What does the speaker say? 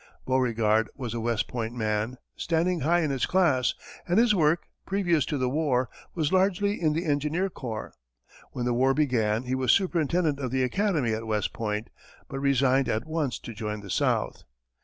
Beauregard was a West Point man, standing high in his class, and his work, previous to the war, was largely in the engineer corps. When the war began, he was superintendent of the academy at West Point, but resigned at once to join the South.